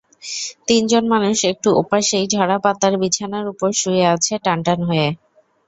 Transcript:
তিনজন মানুষ একটু ওপাশেই ঝরাপাতার বিছানার ওপরে শুয়ে আছে টানটান হয়ে।